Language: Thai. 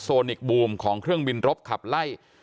นิกบูมของเครื่องบินรบขับไล่